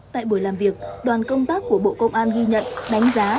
tại buổi làm việc đoàn công tác của bộ công an ghi nhận đánh giá